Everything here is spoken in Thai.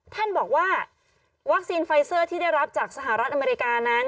ท่านบอกว่าวัคซีนไฟเซอร์ที่ได้รับจากสหรัฐอเมริกานั้น